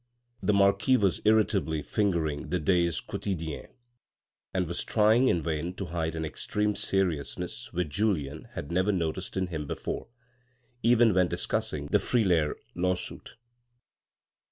" The marquis was irritably fingering, the day's Quottdienne, and was trying in vain to hide an extreme seriousness which Julien had never noticed in him before, even when discussing the Frilair lawsuit.